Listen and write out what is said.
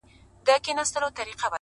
ورځه وريځي نه جــلا ســـولـه نـــن.